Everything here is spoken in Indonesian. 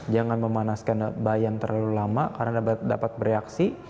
jangan memanaskan bayan terlalu lama karena dapat bereaksi